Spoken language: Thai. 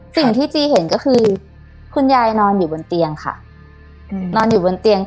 จีเห็นก็คือคุณยายนอนอยู่บนเตียงค่ะนอนอยู่บนเตียง